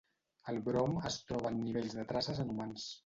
El brom es troba en nivells de traces en humans.